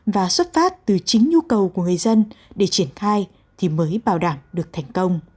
và xuất phát từ chính nhu cầu của người dân để triển khai thì mới bảo đảm được thành công